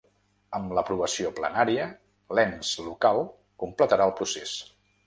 Amb l’aprovació plenària, l’ens local completarà el procés.